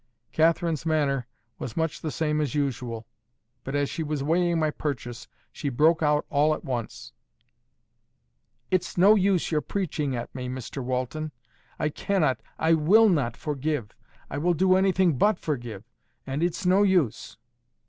Catherine's manner was much the same as usual. But as she was weighing my purchase, she broke out all at once: "It's no use your preaching at me, Mr Walton. I cannot, I WILL not forgive. I will do anything BUT forgive. And it's no use."